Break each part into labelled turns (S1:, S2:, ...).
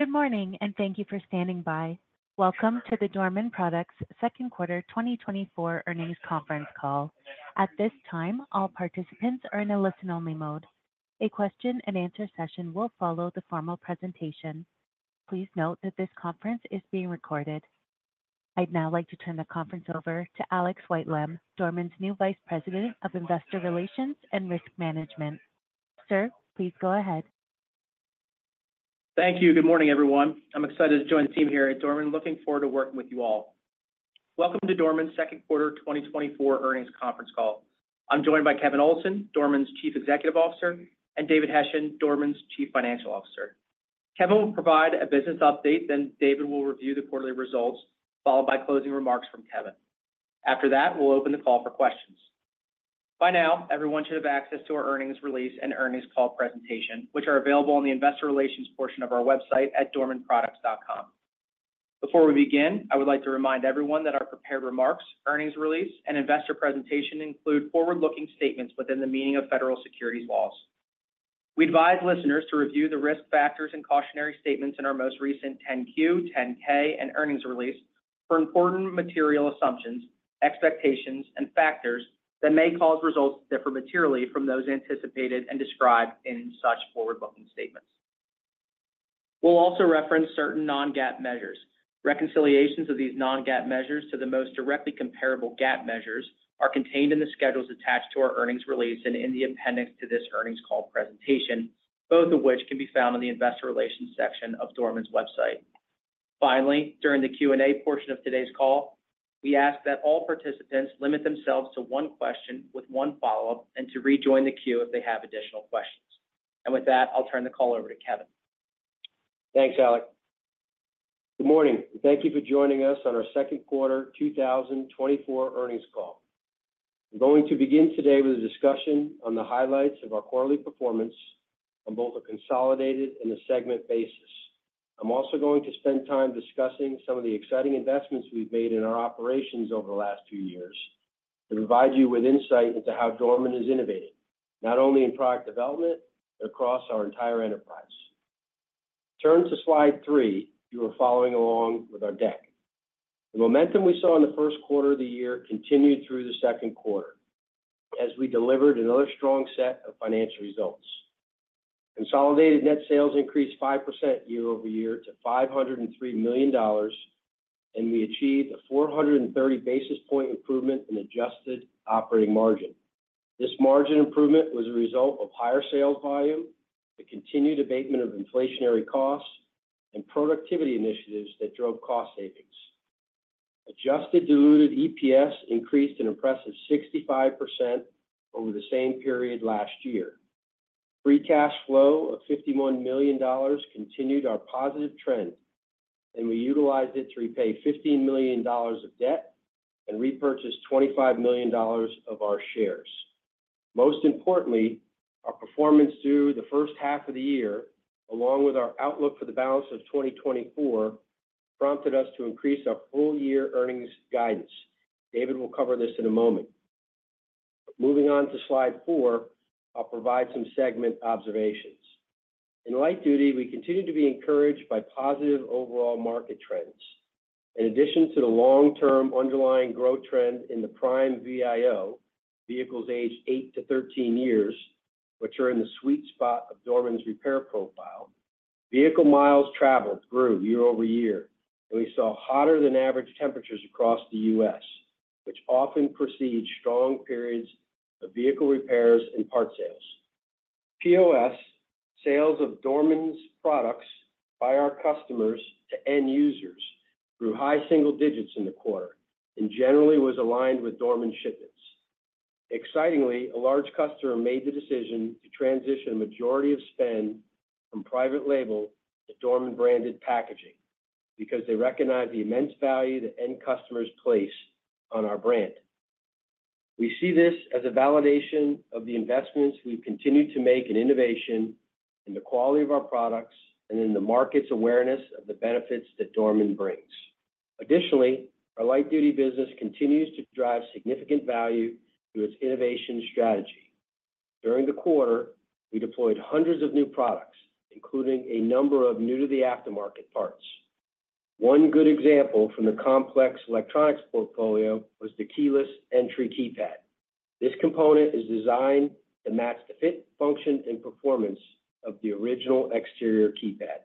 S1: Good morning, and thank you for standing by. Welcome to the Dorman Products second quarter 2024 earnings conference call. At this time, all participants are in a listen-only mode. A question-and-answer session will follow the formal presentation. Please note that this conference is being recorded. I'd now like to turn the conference over to Alex Whitelam, Dorman's new Vice President of Investor Relations and Risk Management. Sir, please go ahead.
S2: Thank you. Good morning, everyone. I'm excited to join the team here at Dorman. Looking forward to working with you all. Welcome to Dorman's second quarter 2024 earnings conference call. I'm joined by Kevin Olsen, Dorman's Chief Executive Officer, and David Hession, Dorman's Chief Financial Officer. Kevin will provide a business update, then David will review the quarterly results, followed by closing remarks from Kevin. After that, we'll open the call for questions. By now, everyone should have access to our earnings release and earnings call presentation, which are available on the Investor Relations portion of our website at dormanproducts.com. Before we begin, I would like to remind everyone that our prepared remarks, earnings release, and investor presentation include forward-looking statements within the meaning of federal securities laws. We advise listeners to review the risk factors and cautionary statements in our most recent 10-Q, 10-K, and earnings release for important material assumptions, expectations, and factors that may cause results to differ materially from those anticipated and described in such forward-looking statements. We'll also reference certain non-GAAP measures. Reconciliations of these non-GAAP measures to the most directly comparable GAAP measures are contained in the schedules attached to our earnings release and in the appendix to this earnings call presentation, both of which can be found in the Investor Relations section of Dorman's website. Finally, during the Q&A portion of today's call, we ask that all participants limit themselves to one question with one follow-up and to rejoin the queue if they have additional questions. And with that, I'll turn the call over to Kevin.
S3: Thanks, Alex. Good morning. Thank you for joining us on our second quarter 2024 earnings call. I'm going to begin today with a discussion on the highlights of our quarterly performance on both a consolidated and a segment basis. I'm also going to spend time discussing some of the exciting investments we've made in our operations over the last two years to provide you with insight into how Dorman has innovated, not only in product development but across our entire enterprise. Turn to Slide 3. You are following along with our deck. The momentum we saw in the first quarter of the year continued through the second quarter as we delivered another strong set of financial results. Consolidated net sales increased 5% year-over-year to $503 million, and we achieved a 430 basis point improvement in adjusted operating margin. This margin improvement was a result of higher sales volume, the continued abatement of inflationary costs, and productivity initiatives that drove cost savings. Adjusted Diluted EPS increased an impressive 65% over the same period last year. Free Cash Flow of $51 million continued our positive trend, and we utilized it to repay $15 million of debt and repurchase $25 million of our shares. Most importantly, our performance through the first half of the year, along with our outlook for the balance of 2024, prompted us to increase our full-year earnings guidance. David will cover this in a moment. Moving on to Slide 4, I'll provide some segment observations. In light duty, we continue to be encouraged by positive overall market trends. In addition to the long-term underlying growth trend in the prime VIO vehicles aged eight to 13 years, which are in the sweet spot of Dorman's repair profile, vehicle miles traveled grew year-over-year, and we saw hotter-than-average temperatures across the U.S., which often precede strong periods of vehicle repairs and part sales. POS sales of Dorman's products by our customers to end users grew high single digits in the quarter and generally was aligned with Dorman shipments. Excitingly, a large customer made the decision to transition a majority of spend from private label to Dorman-branded packaging because they recognize the immense value that end customers place on our brand. We see this as a validation of the investments we've continued to make in innovation in the quality of our products and in the market's awareness of the benefits that Dorman brings. Additionally, our light-duty business continues to drive significant value through its innovation strategy. During the quarter, we deployed hundreds of new products, including a number of new-to-the-aftermarket parts. One good example from the complex electronics portfolio was the Keyless Entry Keypad. This component is designed to match the fit, function, and performance of the original exterior keypad.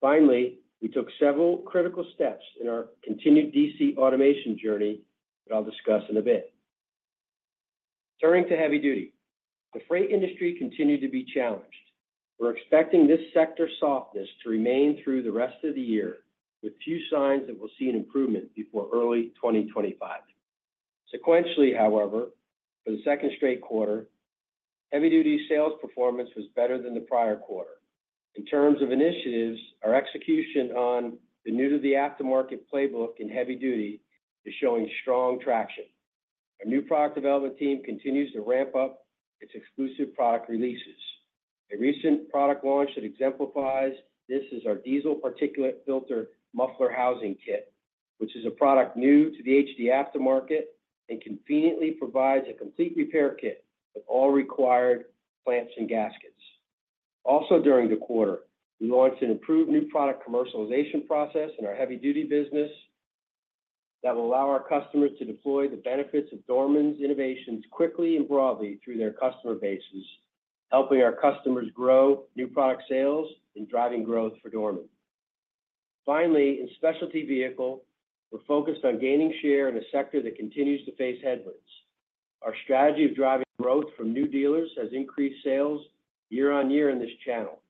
S3: Finally, we took several critical steps in our continued DC automation journey that I'll discuss in a bit. Turning to heavy-duty, the freight industry continued to be challenged. We're expecting this sector softness to remain through the rest of the year with few signs that we'll see an improvement before early 2025. Sequentially, however, for the second straight quarter, heavy-duty sales performance was better than the prior quarter. In terms of initiatives, our execution on the new-to-the-aftermarket playbook in heavy-duty is showing strong traction. Our new product development team continues to ramp up its exclusive product releases. A recent product launch that exemplifies this is our Diesel Particulate Filter muffler housing kit, which is a product new to the HD aftermarket and conveniently provides a complete repair kit with all required clamps and gaskets. Also during the quarter, we launched an improved new product commercialization process in our heavy-duty business that will allow our customers to deploy the benefits of Dorman's innovations quickly and broadly through their customer bases, helping our customers grow new product sales and driving growth for Dorman. Finally, in specialty vehicle, we're focused on gaining share in a sector that continues to face headwinds. Our strategy of driving growth from new dealers has increased sales year-over-year in this channel.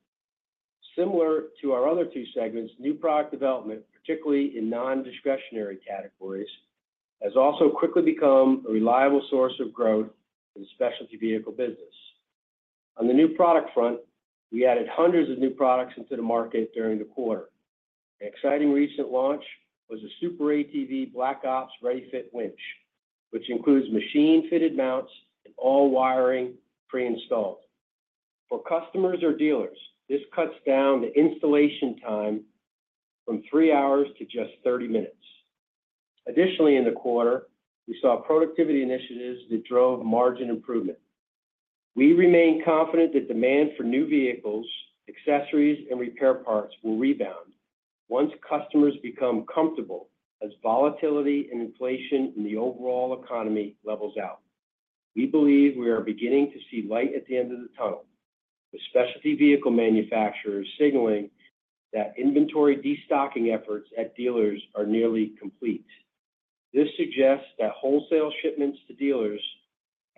S3: Similar to our other two segments, new product development, particularly in non-discretionary categories, has also quickly become a reliable source of growth in the specialty vehicle business. On the new product front, we added hundreds of new products into the market during the quarter. An exciting recent launch was a SuperATV Black Ops Ready-Fit winch, which includes machine-fitted mounts and all wiring pre-installed. For customers or dealers, this cuts down the installation time from 3-hours to just 30-minutes. Additionally, in the quarter, we saw productivity initiatives that drove margin improvement. We remain confident that demand for new vehicles, accessories, and repair parts will rebound once customers become comfortable as volatility and inflation in the overall economy levels out. We believe we are beginning to see light at the end of the tunnel, with specialty vehicle manufacturers signaling that inventory destocking efforts at dealers are nearly complete. This suggests that wholesale shipments to dealers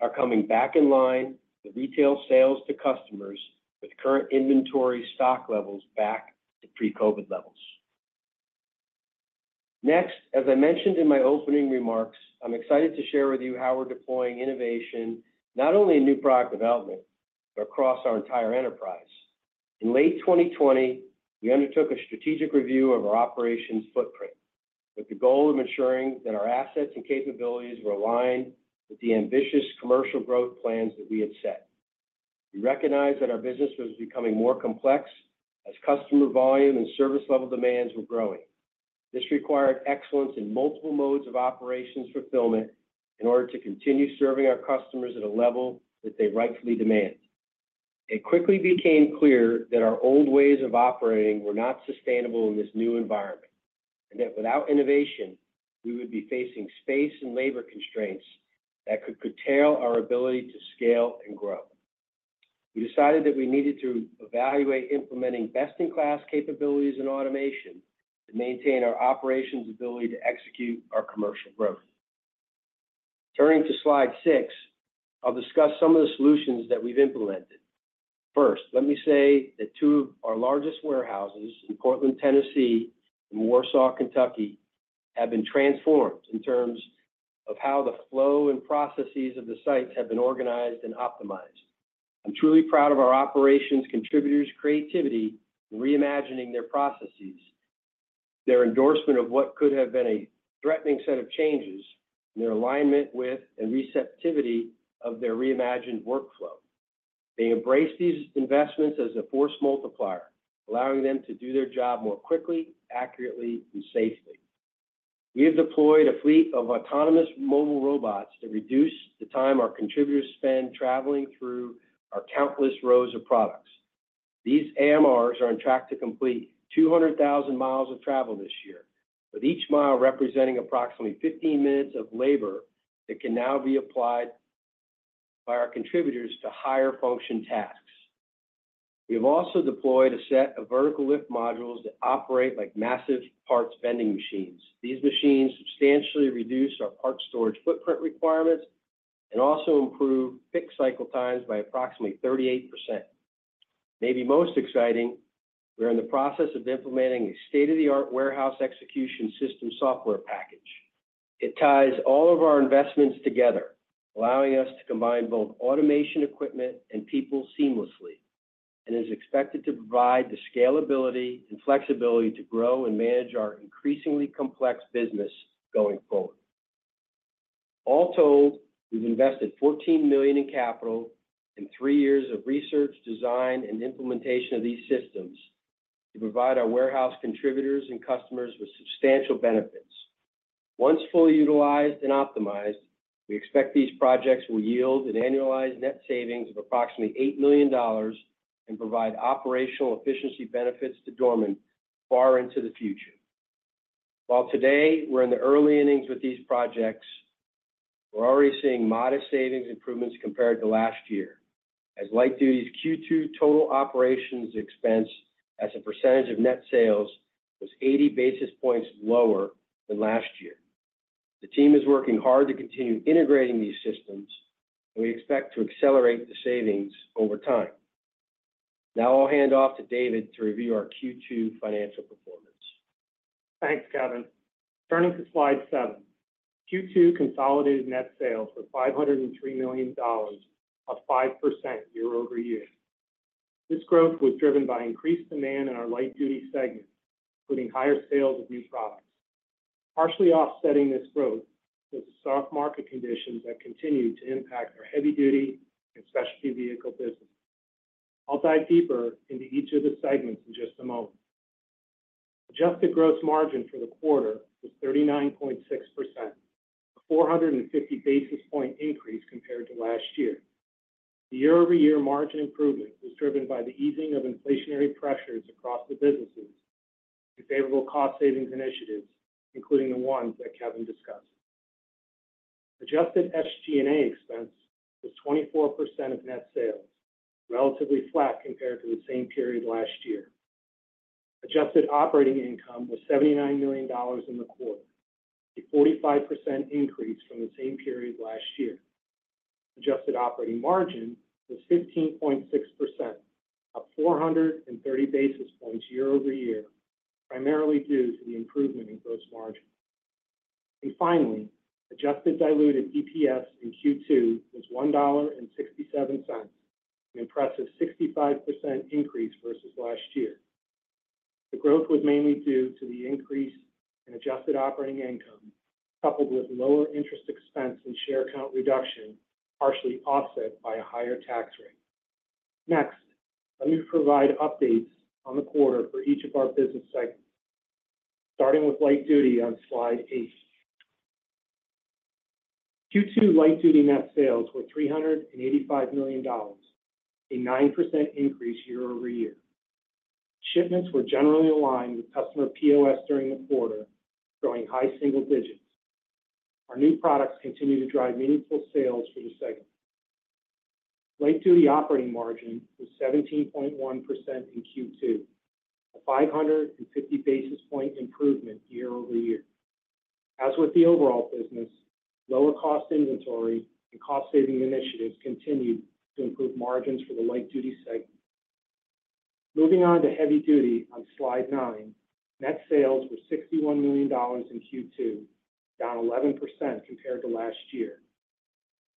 S3: are coming back in line, the retail sales to customers with current inventory stock levels back to pre-COVID levels. Next, as I mentioned in my opening remarks, I'm excited to share with you how we're deploying innovation not only in new product development but across our entire enterprise. In late 2020, we undertook a strategic review of our operations footprint with the goal of ensuring that our assets and capabilities were aligned with the ambitious commercial growth plans that we had set. We recognized that our business was becoming more complex as customer volume and service-level demands were growing. This required excellence in multiple modes of operations fulfillment in order to continue serving our customers at a level that they rightfully demand. It quickly became clear that our old ways of operating were not sustainable in this new environment and that without innovation, we would be facing space and labor constraints that could curtail our ability to scale and grow. We decided that we needed to evaluate implementing best-in-class capabilities in automation to maintain our operations' ability to execute our commercial growth. Turning to Slide 6, I'll discuss some of the solutions that we've implemented. First, let me say that two of our largest warehouses in Portland, Tennessee, and Warsaw, Kentucky, have been transformed in terms of how the flow and processes of the sites have been organized and optimized. I'm truly proud of our operations contributors' creativity in reimagining their processes, their endorsement of what could have been a threatening set of changes, and their alignment with and receptivity of their reimagined workflow. They embraced these investments as a force multiplier, allowing them to do their job more quickly, accurately, and safely. We have deployed a fleet of autonomous mobile robots to reduce the time our contributors spend traveling through our countless rows of products. These AMRs are on track to complete 200,000 miles of travel this year, with each mile representing approximately 15-minutes of labor that can now be applied by our contributors to higher-function tasks. We have also deployed a set of vertical lift modules that operate like massive parts vending machines. These machines substantially reduce our part storage footprint requirements and also improve fixed cycle times by approximately 38%. Maybe most exciting, we're in the process of implementing a state-of-the-art warehouse execution system software package. It ties all of our investments together, allowing us to combine both automation equipment and people seamlessly and is expected to provide the scalability and flexibility to grow and manage our increasingly complex business going forward. All told, we've invested $14 million in capital and three years of research, design, and implementation of these systems to provide our warehouse contributors and customers with substantial benefits. Once fully utilized and optimized, we expect these projects will yield an annualized net savings of approximately $8 million and provide operational efficiency benefits to Dorman far into the future. While today we're in the early innings with these projects, we're already seeing modest savings improvements compared to last year as light duty's Q2 total operations expense as a percentage of net sales was 80 basis points lower than last year. The team is working hard to continue integrating these systems, and we expect to accelerate the savings over time. Now I'll hand off to David to review our Q2 financial performance.
S4: Thanks, Kevin. Turning to Slide 7, Q2 consolidated net sales were $503 million, up 5% year-over-year. This growth was driven by increased demand in our light-duty segment, including higher sales of new products. Partially offsetting this growth was the soft market conditions that continue to impact our heavy-duty and specialty vehicle business. I'll dive deeper into each of the segments in just a moment. Adjusted gross margin for the quarter was 39.6%, a 450 basis point increase compared to last year. The year-over-year margin improvement was driven by the easing of inflationary pressures across the businesses and favorable cost savings initiatives, including the ones that Kevin discussed. Adjusted SG&A expense was 24% of net sales, relatively flat compared to the same period last year. Adjusted operating income was $79 million in the quarter, a 45% increase from the same period last year. Adjusted operating margin was 15.6%, up 430 basis points year-over-year, primarily due to the improvement in gross margin. Finally, Adjusted Diluted EPS in Q2 was $1.67, an impressive 65% increase versus last year. The growth was mainly due to the increase in adjusted operating income coupled with lower interest expense and share count reduction, partially offset by a higher tax rate. Next, let me provide updates on the quarter for each of our business segments, starting with light-duty on Slide 8. Q2 light-duty net sales were $385 million, a 9% increase year-over-year. Shipments were generally aligned with customer POS during the quarter, growing high single digits. Our new products continue to drive meaningful sales for the segment. Light-duty operating margin was 17.1% in Q2, a 550 basis points improvement year-over-year. As with the overall business, lower-cost inventory and cost-saving initiatives continued to improve margins for the light-duty segment. Moving on to heavy duty on Slide 9, net sales were $61 million in Q2, down 11% compared to last year.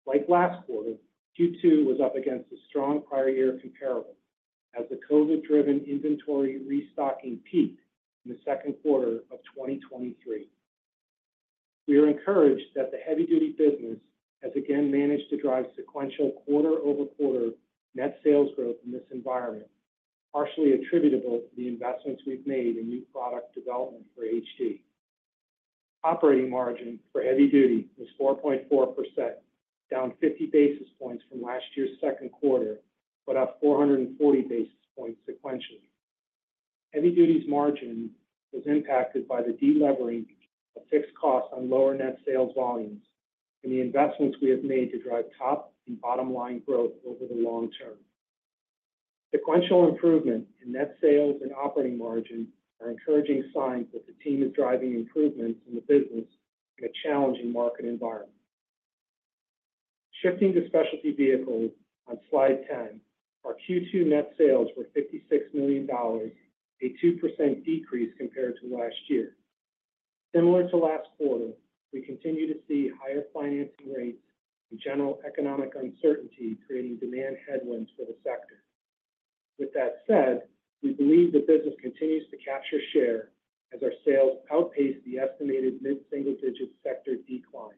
S4: Like last quarter, Q2 was up against a strong prior-year comparable as the COVID-driven inventory restocking peaked in the second quarter of 2023. We are encouraged that the heavy-duty business has again managed to drive sequential quarter-over-quarter net sales growth in this environment, partially attributable to the investments we've made in new product development for HD. Operating margin for heavy duty was 4.4%, down 50 basis points from last year's second quarter, but up 440 basis points sequentially. Heavy duty's margin was impacted by the delevering of fixed costs on lower net sales volumes and the investments we have made to drive top and bottom-line growth over the long term. Sequential improvement in net sales and operating margin are encouraging signs that the team is driving improvements in the business in a challenging market environment. Shifting to specialty vehicles on Slide 10, our Q2 net sales were $56 million, a 2% decrease compared to last year. Similar to last quarter, we continue to see higher financing rates and general economic uncertainty creating demand headwinds for the sector. With that said, we believe the business continues to capture share as our sales outpace the estimated mid-single-digit sector decline.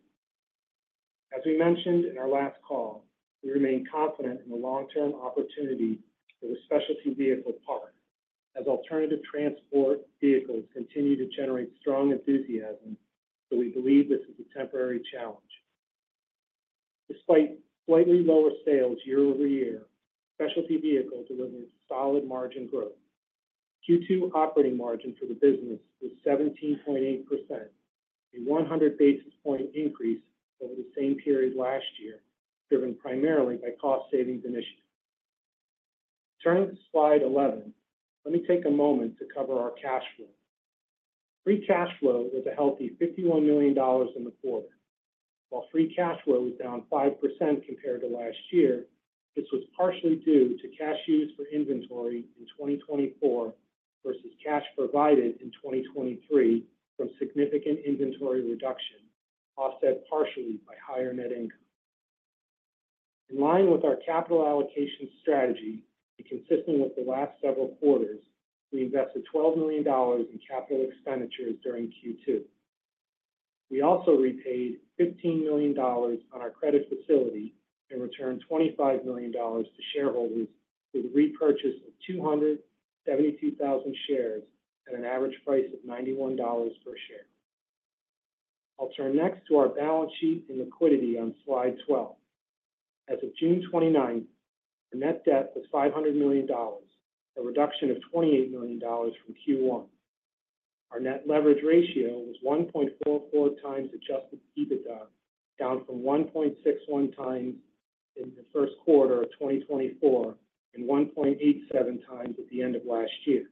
S4: As we mentioned in our last call, we remain confident in the long-term opportunity for the specialty vehicle part as alternative transport vehicles continue to generate strong enthusiasm, but we believe this is a temporary challenge. Despite slightly lower sales year-over-year, specialty vehicle delivered solid margin growth. Q2 operating margin for the business was 17.8%, a 100 basis point increase over the same period last year, driven primarily by cost-savings initiatives. Turning to Slide 11, let me take a moment to cover our cash flow. Free Cash Flow was a healthy $51 million in the quarter. While Free Cash Flow was down 5% compared to last year, this was partially due to cash used for inventory in 2024 versus cash provided in 2023 from significant inventory reduction, offset partially by higher net income. In line with our capital allocation strategy and consistent with the last several quarters, we invested $12 million in capital expenditures during Q2. We also repaid $15 million on our credit facility and returned $25 million to shareholders with a repurchase of 272,000 shares at an average price of $91 per share. I'll turn next to our balance sheet and liquidity on Slide 12. As of June 29th, our net debt was $500 million, a reduction of $28 million from Q1. Our net leverage ratio was 1.44x Adjusted EBITDA, down from 1.61x in the first quarter of 2024 and 1.87x at the end of last year.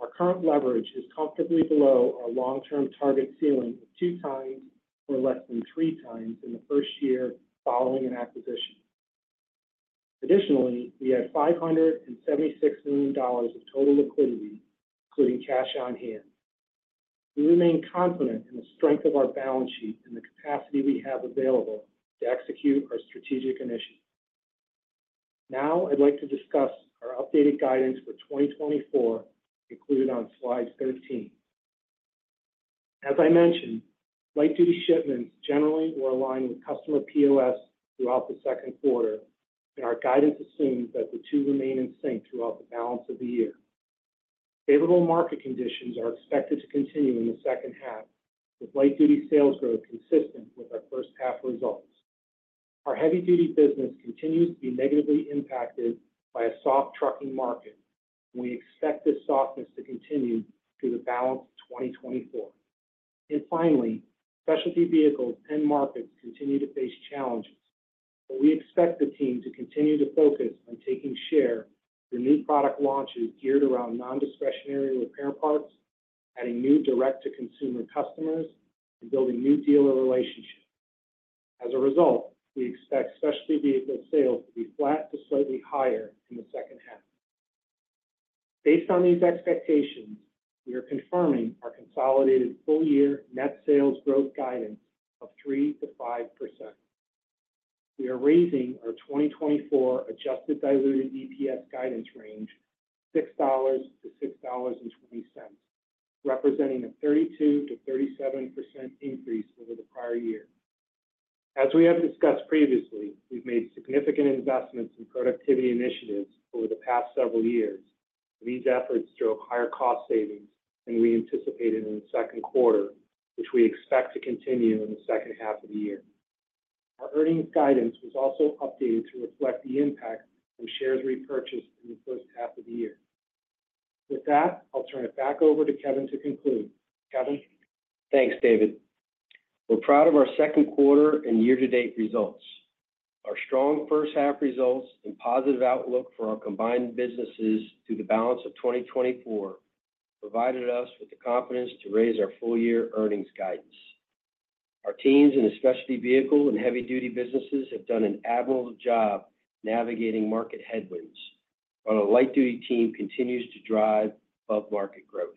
S4: Our current leverage is comfortably below our long-term target ceiling of 2x or less than 3x in the first year following an acquisition. Additionally, we had $576 million of total liquidity, including cash on hand. We remain confident in the strength of our balance sheet and the capacity we have available to execute our strategic initiative. Now I'd like to discuss our updated guidance for 2024, included on Slide 13. As I mentioned, light-duty shipments generally were aligned with customer POS throughout the second quarter, and our guidance assumes that the two remain in sync throughout the balance of the year. Favorable market conditions are expected to continue in the second half, with light-duty sales growth consistent with our first half results. Our heavy-duty business continues to be negatively impacted by a soft trucking market, and we expect this softness to continue through the balance of 2024. Finally, specialty vehicles and markets continue to face challenges, but we expect the team to continue to focus on taking share through new product launches geared around non-discretionary repair parts, adding new direct-to-consumer customers, and building new dealer relationships. As a result, we expect specialty vehicle sales to be flat to slightly higher in the second half. Based on these expectations, we are confirming our consolidated full-year net sales growth guidance of 3%-5%. We are raising our 2024 Adjusted Diluted EPS guidance range $6-$6.20, representing a 32%-37% increase over the prior year. As we have discussed previously, we've made significant investments in productivity initiatives over the past several years. These efforts drove higher cost savings than we anticipated in the second quarter, which we expect to continue in the second half of the year. Our Earnings Guidance was also updated to reflect the impact on shares repurchased in the first half of the year. With that, I'll turn it back over to Kevin to conclude. Kevin.
S3: Thanks, David. We're proud of our second quarter and year-to-date results. Our strong first half results and positive outlook for our combined businesses through the balance of 2024 provided us with the confidence to raise our full-year earnings guidance. Our teams in the specialty vehicle and heavy-duty businesses have done an admirable job navigating market headwinds, while the light-duty team continues to drive above-market growth.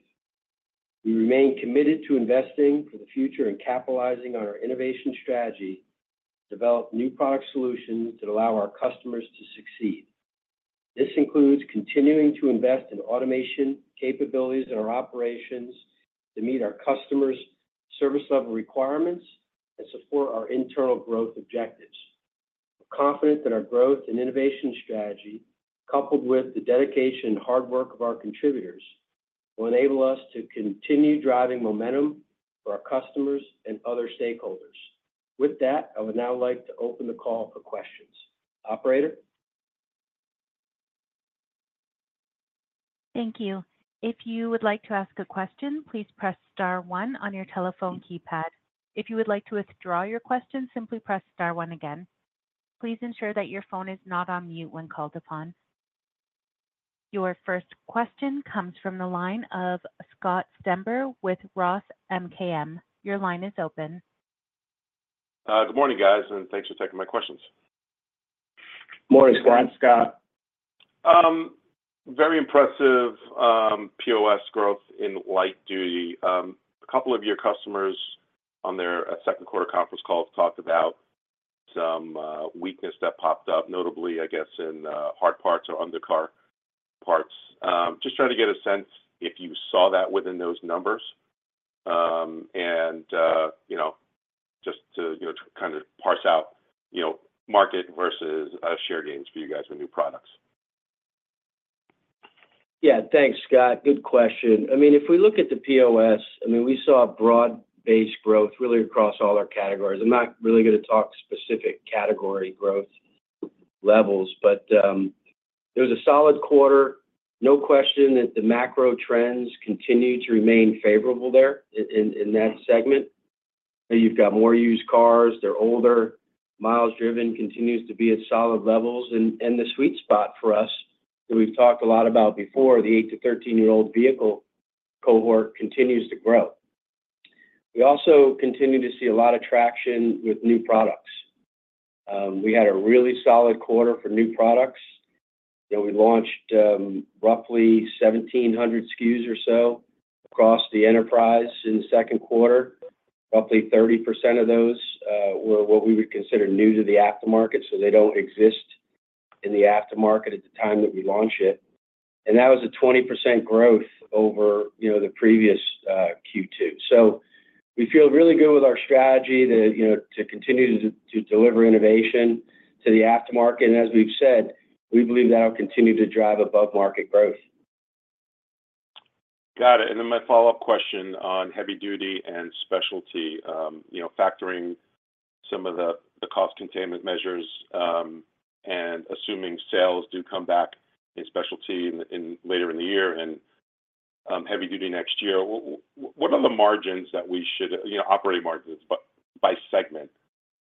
S3: We remain committed to investing for the future and capitalizing on our innovation strategy to develop new product solutions that allow our customers to succeed. This includes continuing to invest in automation capabilities in our operations to meet our customers' service-level requirements and support our internal growth objectives. We're confident that our growth and innovation strategy, coupled with the dedication and hard work of our contributors, will enable us to continue driving momentum for our customers and other stakeholders. With that, I would now like to open the call for questions. Operator?
S1: Thank you. If you would like to ask a question, please press star one on your telephone keypad. If you would like to withdraw your question, simply press star one again. Please ensure that your phone is not on mute when called upon. Your first question comes from the line of Scott Stember with ROTH MKM. Your line is open.
S5: Good morning, guys, and thanks for taking my questions.
S3: Morning, Scott.
S4: Hi, Scott.
S5: Very impressive POS growth in Light Duty. A couple of your customers on their second quarter conference call talked about some weakness that popped up, notably, I guess, in hard parts or undercar parts. Just trying to get a sense if you saw that within those numbers and just to kind of parse out market versus share gains for you guys with new products.
S3: Yeah, thanks, Scott. Good question. I mean, if we look at the POS, I mean, we saw broad-based growth really across all our categories. I'm not really going to talk specific category growth levels, but there was a solid quarter. No question that the macro trends continue to remain favorable there in that segment. You've got more used cars. They're older. Miles driven continues to be at solid levels. And the sweet spot for us that we've talked a lot about before, the eight to 13-year-old vehicle cohort continues to grow. We also continue to see a lot of traction with new products. We had a really solid quarter for new products. We launched roughly 1,700 SKUs or so across the enterprise in the second quarter. Roughly 30% of those were what we would consider new to the aftermarket, so they don't exist in the aftermarket at the time that we launched it. That was a 20% growth over the previous Q2. We feel really good with our strategy to continue to deliver innovation to the aftermarket. As we've said, we believe that'll continue to drive above-market growth.
S5: Got it. My follow-up question on Heavy-Duty and Specialty, factoring some of the cost containment measures and assuming sales do come back in Specialty later in the year and Heavy-Duty next year, what are the operating margins by segment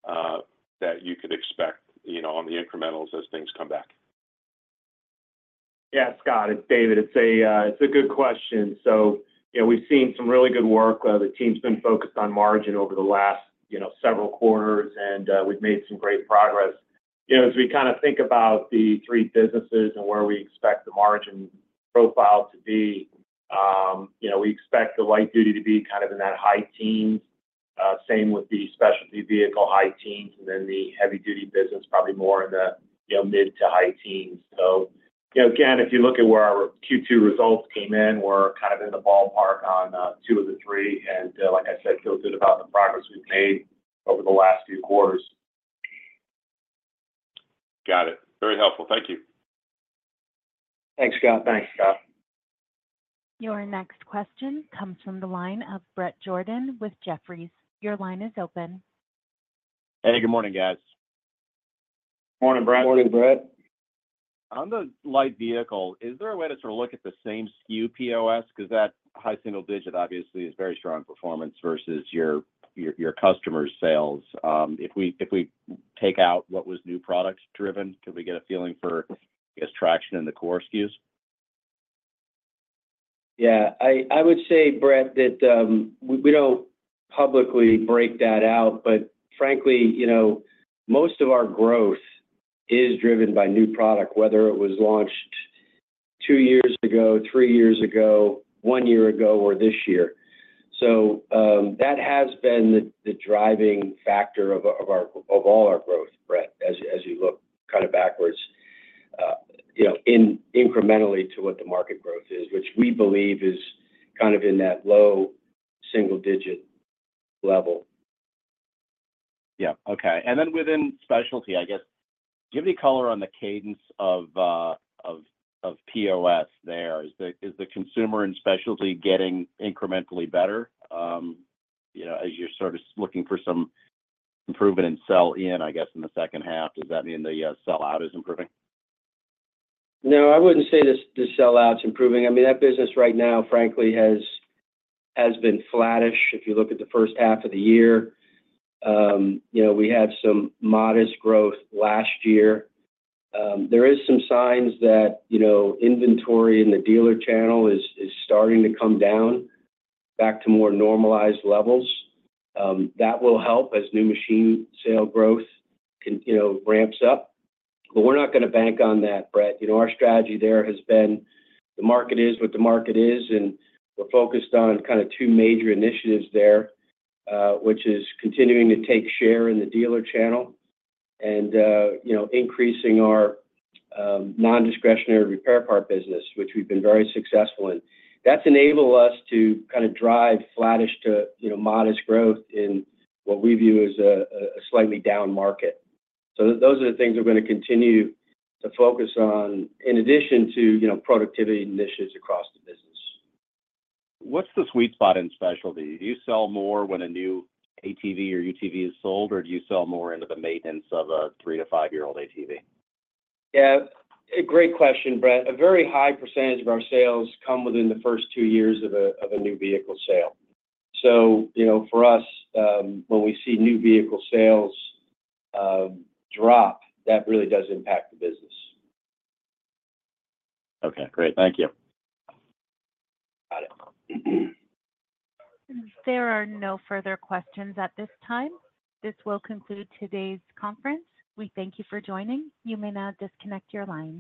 S5: that you could expect on the incrementals as things come back?
S4: Yeah, Scott, it's David. It's a good question. So we've seen some really good work. The team's been focused on margin over the last several quarters, and we've made some great progress. As we kind of think about the three businesses and where we expect the margin profile to be, we expect the light duty to be kind of in that high teens, same with the specialty vehicle high teens, and then the heavy duty business probably more in the mid to high teens. So again, if you look at where our Q2 results came in, we're kind of in the ballpark on two of the three. And like I said, feel good about the progress we've made over the last few quarters.
S5: Got it. Very helpful. Thank you.
S3: Thanks, Scott.
S4: Thanks, Scott.
S1: Your next question comes from the line of Bret Jordan with Jefferies. Your line is open.
S6: Hey, good morning, guys.
S4: Morning, Brett. Morning, Brett.
S6: On the light vehicle, is there a way to sort of look at the same SKU POS? Because that high single digit obviously is very strong performance versus your customer sales. If we take out what was new product driven, could we get a feeling for, I guess, traction in the core SKUs?
S3: Yeah. I would say, Brett, that we don't publicly break that out, but frankly, most of our growth is driven by new product, whether it was launched two years ago, three years ago, one year ago, or this year. So that has been the driving factor of all our growth, Brett, as you look kind of backwards incrementally to what the market growth is, which we believe is kind of in that low single-digit level.
S6: Yeah. Okay. And then within specialty, I guess, do you have any color on the cadence of POS there? Is the consumer and specialty getting incrementally better as you're sort of looking for some improvement in sell-in, I guess, in the second half? Does that mean the sell-out is improving?
S3: No, I wouldn't say the sell-out's improving. I mean, that business right now, frankly, has been flattish if you look at the first half of the year. We had some modest growth last year. There are some signs that inventory in the dealer channel is starting to come down back to more normalized levels. That will help as new machine sale growth ramps up. But we're not going to bank on that, Brett. Our strategy there has been the market is what the market is, and we're focused on kind of two major initiatives there, which is continuing to take share in the dealer channel and increasing our non-discretionary repair part business, which we've been very successful in. That's enabled us to kind of drive flattish to modest growth in what we view as a slightly down market. Those are the things we're going to continue to focus on in addition to productivity initiatives across the business.
S6: What's the sweet spot in specialty? Do you sell more when a new ATV or UTV is sold, or do you sell more into the maintenance of a three to five-year-old ATV?
S3: Yeah. Great question, Brett. A very high percentage of our sales come within the first two years of a new vehicle sale. So for us, when we see new vehicle sales drop, that really does impact the business.
S6: Okay. Great. Thank you.
S3: Got it.
S1: There are no further questions at this time. This will conclude today's conference. We thank you for joining. You may now disconnect your line.